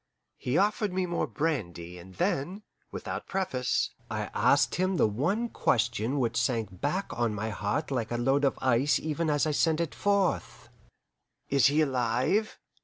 He offered me more brandy, and then, without preface, I asked him the one question which sank back on my heart like a load of ice even as I sent it forth. "Is he alive?"